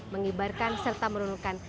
mengibarkan serta merunuhkan